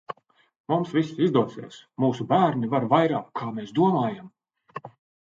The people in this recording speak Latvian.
Mums viss izdosies, mūsu bērni var vairāk kā mēs domājam!